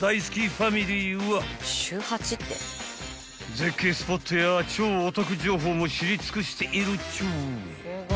［絶景スポットや超お得情報も知り尽くしているっちゅう］